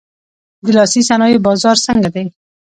د لاسي صنایعو بازار څنګه دی؟